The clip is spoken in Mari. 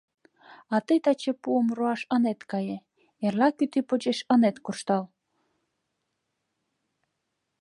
А тый таче пуым руаш ынет кае, эрла кӱтӱ почеш ынет куржтал.